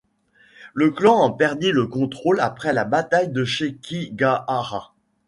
Le clan en perdit le contrôle après la bataille de Sekigahara.